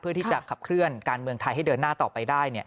ที่จะขับเคลื่อนการเมืองไทยให้เดินหน้าต่อไปได้